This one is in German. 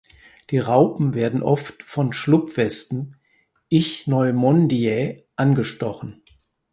Die Raupen werden oft von Schlupfwespen (Ichneumonidae) angestochen.